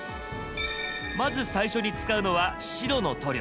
まず最初に使うのは白の塗料。